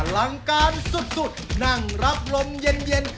ลังการสุดนั่งรับลมเย็น